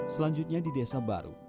selanjutnya di desa baru